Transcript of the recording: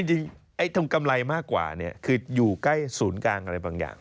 จริงตรงกำไรมากกว่าคืออยู่ใกล้ศูนย์กลางอะไรบางอย่าง